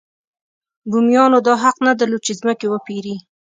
بومیانو دا حق نه درلود چې ځمکې وپېري.